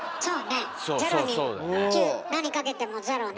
０に９何かけても０ね。